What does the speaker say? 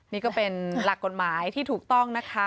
นี่ก็เป็นหลักกฎหมายที่ถูกต้องนะคะ